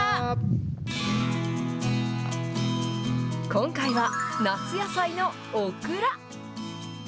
今回は夏野菜のオクラ。